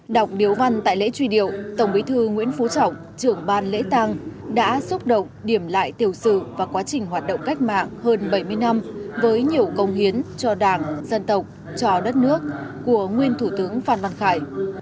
đọc điếu văn tại lễ truy điệu tổng bí thư nguyễn phú trọng trưởng ban lễ tàng đã xúc động điểm lại tiểu sự và quá trình hoạt động cách mạng hơn bảy mươi năm với nhiều công hiến cho đảng dân tộc cho đất nước của nguyên thủ tướng phan văn khải